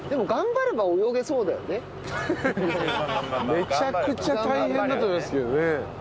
めちゃくちゃ大変だと思いますけどね。